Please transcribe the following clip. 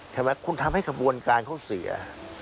ใช่ไหมคุณทำให้ขบวนการเขาเสีย